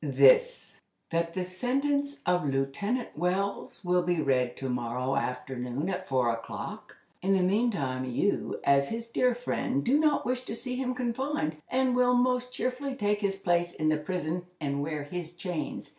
"This: that the sentence of Lieutenant Wells will be read to morrow afternoon at four o'clock. In the mean time, you, as his dear friend, do not wish to see him confined, and will most cheerfully take his place in the prison, and wear his chains.